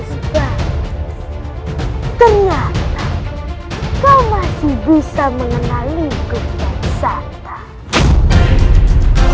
sebenarnya ternyata kau masih bisa mengenali kejaksanaan